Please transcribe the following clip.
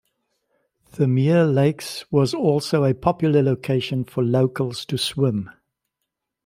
Thirlmere Lakes was also a popular location for locals to swim.